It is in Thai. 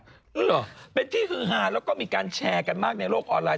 เหรอเป็นที่ฮือฮาแล้วก็มีการแชร์กันมากในโลกออนไลน